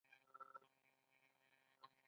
آیا دوی د نفوس او اقتصاد شمیرې نه ساتي؟